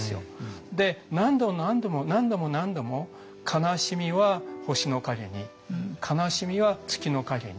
で何度も何度も何度も何度も「悲しみは星のかげに悲しみは月のかげに」。